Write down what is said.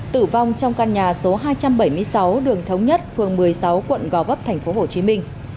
tử vong trong căn nhà số hai trăm bảy mươi sáu đường thống nhất phường một mươi sáu quận gò vấp thành phố hồ chí minh